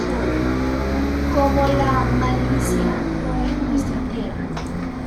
Cómo la malicia roe nuestra tierra".